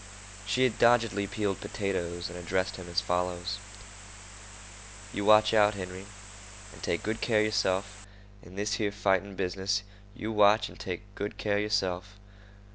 She had doggedly peeled potatoes and addressed him as follows: "You watch out, Henry, an' take good care of yerself in this here fighting business—you watch, an' take good care of yerself.